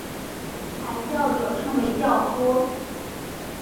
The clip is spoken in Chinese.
抬轿者称为轿夫。